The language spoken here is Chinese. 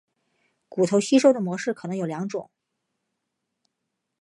骨头吸收的模式可能有两种。